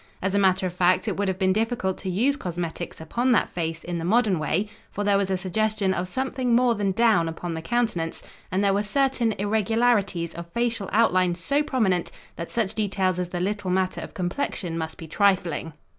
As a matter of fact it would have been difficult to use cosmetics upon that face in the modern way, for there was a suggestion of something more than down upon the countenance, and there were certain irregularities of facial outline so prominent that such details as the little matter of complexion must be trifling.